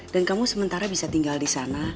dan kamu sementara bisa tinggal disana